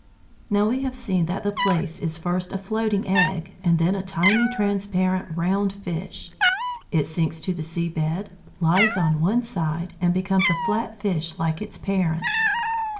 Now we have seen that the Plaice is first a floating egg, and then a tiny transparent "round" fish. It sinks to the sea bed, lies on one side, and becomes a flat fish like its parents.